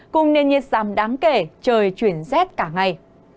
cùng nền nhiệt giảm đáng kể trời chuyển rét cả ngày